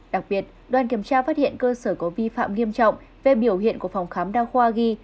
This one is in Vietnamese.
đặc biệt đoàn kiểm tra phát hiện cơ sở có vi phạm nghiêm trọng về biểu hiện của phòng khám đa khoa ghi